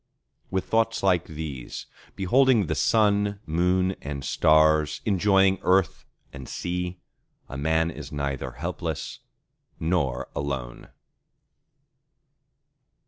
With thoughts like these, beholding the Sun, Moon, and Stars, enjoying earth and sea, a man is neither helpless nor alone!